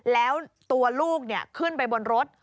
แล้วตัวลูกขึ้นไปบนรถ